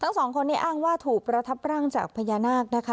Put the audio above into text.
สองคนนี้อ้างว่าถูกประทับร่างจากพญานาคนะคะ